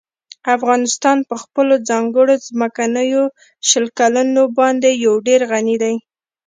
افغانستان په خپلو ځانګړو ځمکنیو شکلونو باندې یو ډېر غني دی.